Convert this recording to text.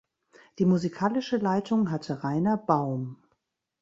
Die musikalische Leitung hatte Rainer Baum.